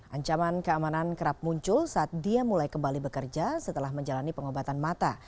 ancaman keamanan kerap muncul saat dia mulai kembali bekerja setelah menjalani pengobatan mata